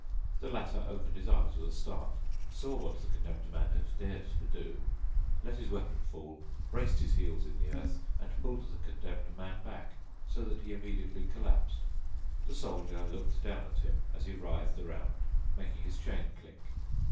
The latter opened his eyes with a start, saw what the Condemned Man had dared to do, let his weapon fall, braced his heels in the earth, and pulled the Condemned Man back, so that he immediately collapsed. The Soldier looked down at him, as he writhed around, making his chain clink.